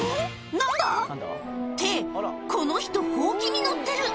なんだ？って、この人、ほうきに乗ってる！